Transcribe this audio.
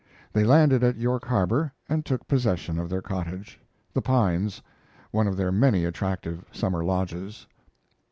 They landed at York Harbor and took possession of their cottage, The Pines, one of their many attractive summer lodges.